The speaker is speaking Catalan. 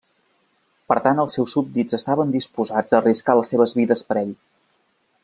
Per tant els seus súbdits estaven disposats a arriscar les seves vides per ell.